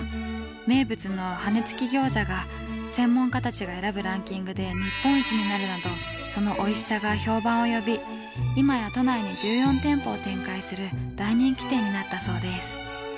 名物の羽根つき餃子が専門家たちが選ぶランキングで日本一になるなどそのおいしさが評判を呼び今や都内に１４店舗を展開する大人気店になったそうです。